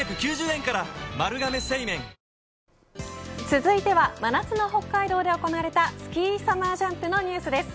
続いては真夏の北海道で行われたスキーサマージャンプのニュースです。